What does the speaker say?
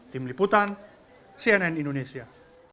tim liputan cnn indonesia